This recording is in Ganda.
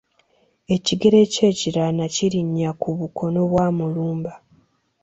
Ekigere kye ekirala naakirinnya ku bukono bwa Mulumba.